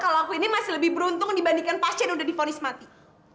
kalau aku ini masih lebih beruntung dibandingkan pasien yang udah difonis mati